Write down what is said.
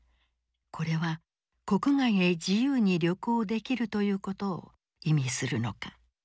これは国外へ自由に旅行できるということを意味するのか。